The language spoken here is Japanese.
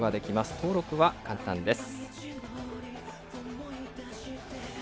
登録は簡単です。